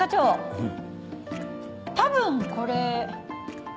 うん。